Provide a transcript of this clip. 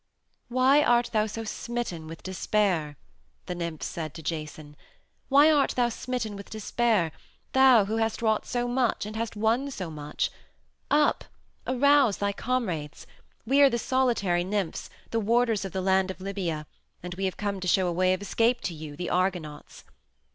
"Why art thou so smitten with despair?" the nymphs said to Jason. "Why art thou smitten with despair, thou who hast wrought so much and hast won so much? Up! Arouse thy comrades! We are the solitary nymphs, the warders of the land of Libya, and we have come to show a way of escape to you, the Argonauts.